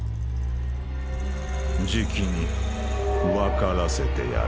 じきにわからせてやる。